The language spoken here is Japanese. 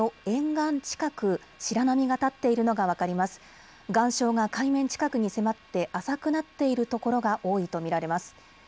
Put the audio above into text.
岩礁が海面近くに迫って浅くなっている所が多いと見られます。